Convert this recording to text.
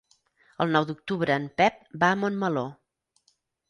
El nou d'octubre en Pep va a Montmeló.